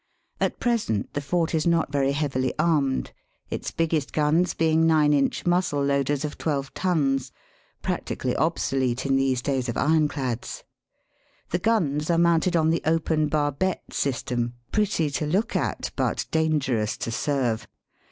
At present the fort is not very heavily armed, its biggest guns being nine inch muzzle loaders of twelve tons, practically obsolete in these days of ironclads. The guns are mounted on the open barbette system, pretty to look at, but dangerous to serve.